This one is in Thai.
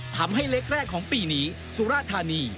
ทำให้เล็กแรกของปีนี้สุราธานี